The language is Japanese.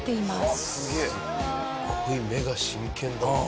すごい目が真剣だ。